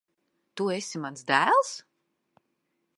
Tu esi mans dēls?